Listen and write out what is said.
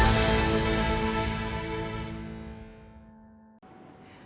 berikut adalah penghargaan yang beretiket di indonesia